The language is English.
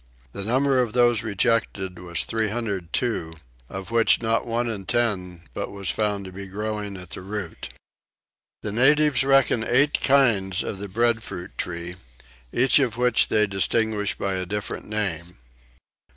The number of those rejected was 302, of which not one in ten but was found to be growing at the root. The natives reckon eight kinds of the breadfruit tree, each of which they distinguish by a different name.